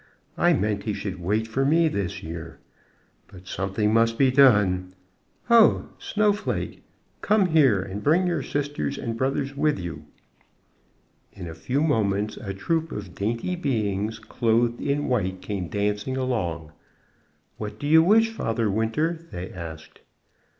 I meant he should wait for me this year. But something must be done. Ho! Snowflake, come here, and bring your sisters and brothers with you." In a few moments a troop of dainty beings clothed in white came dancing along. "What do you wish, Father Winter?" they asked.